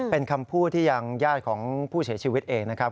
เป็นคำพูดที่ยังญาติของผู้เสียชีวิตเองนะครับ